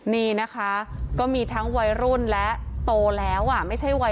นี่นะคะก็มีทั้งวัยรุ่นและโตแล้วไม่ใช่วัย